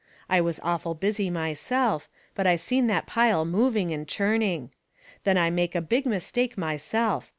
I was awful busy myself, but I seen that pile moving and churning. Then I made a big mistake myself.